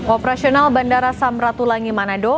operasional bandara samratulangi manado